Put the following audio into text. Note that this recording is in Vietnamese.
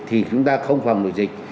thì chúng ta không phòng độ dịch